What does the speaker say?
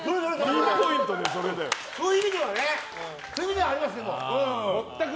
そういう意味ではありますけども。